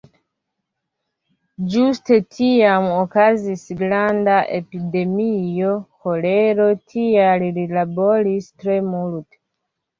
Ĝuste tiam okazis granda epidemio ĥolero, tial li laboris tre multe.